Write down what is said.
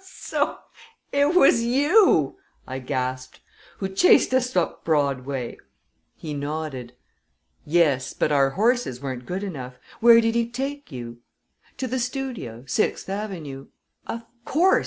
"So it was you," I gasped, "who chased us up Broadway?" He nodded. "Yes; but our horses weren't good enough. Where did he take you?" "To the Studio Sixth Avenue." "Of course!"